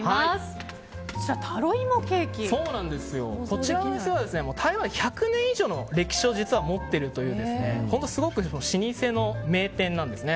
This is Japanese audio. こちらのお店は台湾１００年以上の歴史を実は持っているというすごく老舗の名店なんです。